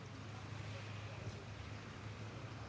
เมื่อเวลาเมื่อเวลาเมื่อเวลา